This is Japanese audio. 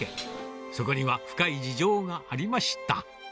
そこには深い事情がありました。